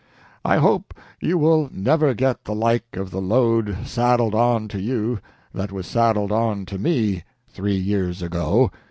. I hope you will never get the like of the load saddled on to you that was saddled on to me, three years ago.